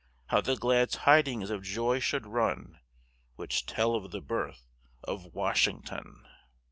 How the glad tidings of joy should run Which tell of the birth of Washington?